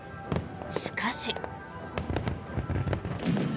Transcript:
しかし。